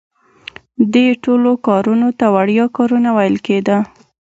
دې ټولو کارونو ته وړیا کارونه ویل کیده.